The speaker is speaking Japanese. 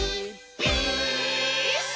ピース！」